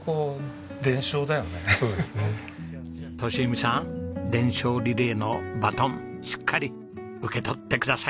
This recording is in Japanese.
利文さん伝承リレーのバトンしっかり受け取ってくださいね！